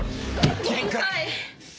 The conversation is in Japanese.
限界！